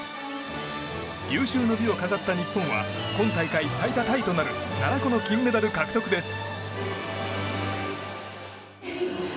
有終の美を飾った日本は今大会最多タイとなる７個の金メダル獲得です。